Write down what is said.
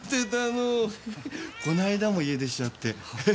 この間も家出しちゃって。